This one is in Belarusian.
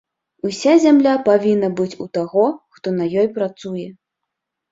Уся зямля павінна быць у таго, хто на ёй працуе.